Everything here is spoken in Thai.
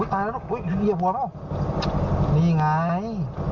อุ๊ยอุ๊ยตายละละลูกอุ๊ยอย่าหัวข้าวนี่ไงคุณมีสองพันเลย